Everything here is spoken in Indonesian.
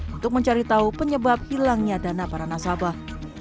untuk mencari tahu penyebab hilangnya dana para nasabah